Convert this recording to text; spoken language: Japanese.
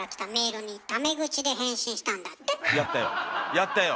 やったよ。